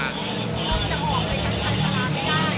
เราจะออกไปชั้นชาลาไม่ได้